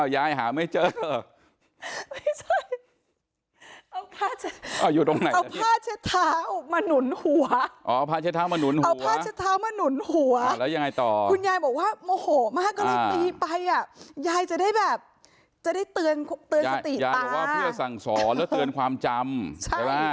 ยายบอกว่าเพื่อสั่งศรและเตือนความจำ